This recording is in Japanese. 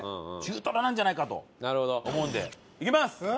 中トロなんじゃないかと思うのでいきます！